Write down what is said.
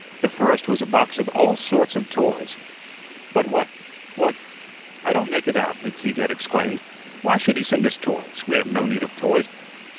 The first was a box of all sorts of toys. "But what what I don't make it out," McTeague had exclaimed. "Why should he send us toys? We have no need of toys."